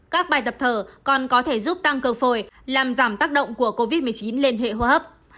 các bài tập thở còn có thể giúp tăng cơ phổi làm giảm tác động của covid một mươi chín lên hệ hô hấp